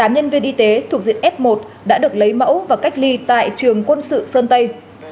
một mươi nhân viên y tế thuộc diện f một đã được lấy mẫu và cách ly tại trường quân sự sơn tây